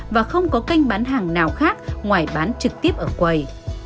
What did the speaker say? và không có kênh bán hàng nào khác ngoài bán trực tiếp ở quầy